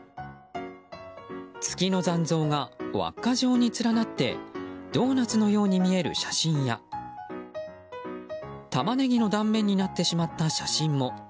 月の残像が輪っか状に連なってドーナツのように見える写真やタマネギの断面になってしまった写真も。